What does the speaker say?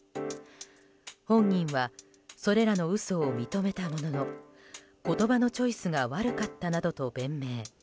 本人はそれらの嘘を認めたものの言葉のチョイスが悪かったなどと弁明。